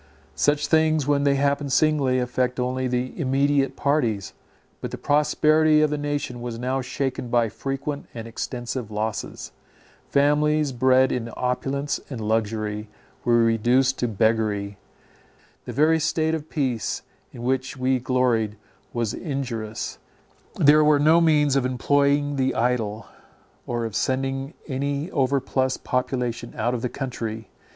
Such things, when they happen singly, affect only the immediate parties; but the prosperity of the nation was now shaken by frequent and extensive losses. Families, bred in opulence and luxury, were reduced to beggary. The very state of peace in which we gloried was injurious; there were no means of employing the idle, or of sending any overplus of population out of the country.